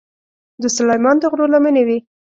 د سلیمان د غرو لمنې وې.